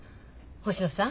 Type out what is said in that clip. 星野さん。